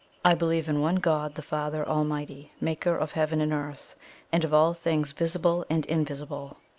'I believe in one God the Father Almighty, Maker of Heaven and Earth, and of all things VISIBLE AND INVISIBLE.'